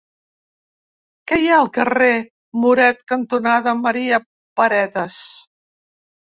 Què hi ha al carrer Muret cantonada Maria Paretas?